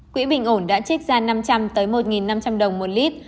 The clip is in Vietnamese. quỹ bình ổn đã trích ra năm trăm linh một năm trăm linh đồng một lít